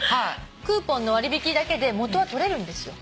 クーポンの割引だけで元は取れるんですよ。